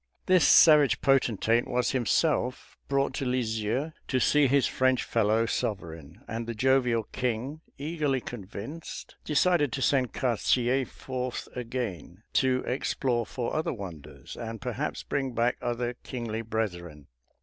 This savage potentate was himself brought to Lisieux to see his French fellow sovereign; and the jovial king, eagerly convinced, decided to send Cartier forth again, to explore for other wonders, and perhaps bring back other kingly brethren.